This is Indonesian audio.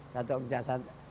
satu ojanya satu